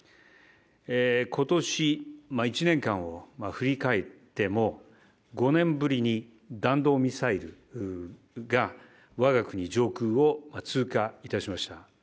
ことし１年間を振り返っても、５年ぶりに弾道ミサイルがわが国上空を通過いたしました。